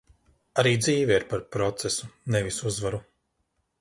Arī dzīve ir par procesu, nevis uzvaru.